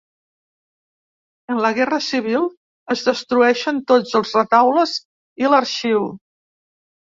En la guerra civil es destrueixen tots els retaules i l'arxiu.